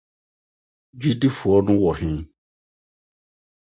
Gyidifo no Wɔ He?